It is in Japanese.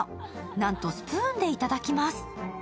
なんと、スプーンでいただきます。